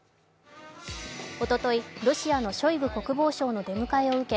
おととい、ロシアのショイグ国防相の出迎えを受け